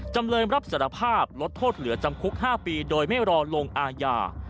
จำเลยรับสารภาพลดโทษเหลือจำคุก๕ปีโดยไม่รอลงอาญา